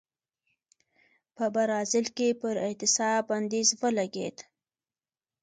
په برازیل کې پر اعتصاب بندیز ولګېد.